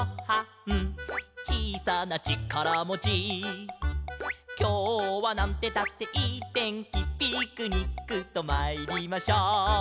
「ちいさなちからもち」「きょうはなんてったっていいてんき」「ピクニックとまいりましょう」